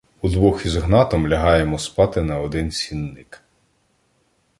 Удвох із Гнатом лягаємо спати на один сінник.